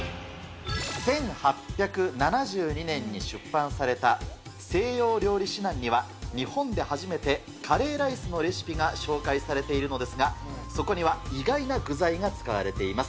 １８７２年に出版された西洋料理指南には、日本で初めてカレーライスのレシピが紹介されているのですが、そこには意外な具材が使われています。